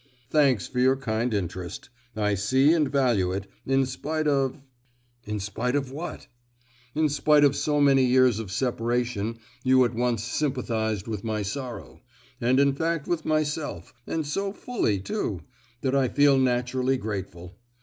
"Thanks for your kind interest, I see and value it, in spite of——" "In spite of what?" "In spite of so many years of separation you at once sympathised with my sorrow—and in fact with myself, and so fully too—that I feel naturally grateful.